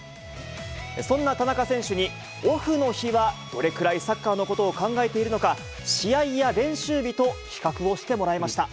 そんな田中選手に、オフの日はどれくらいサッカーのことを考えているのか、試合や練習日と比較をしてもらいました。